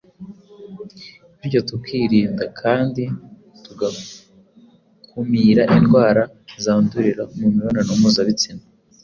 bityo tukirinda kandi tugakumira indwara zandurira mu mibonano mpuzabitsina.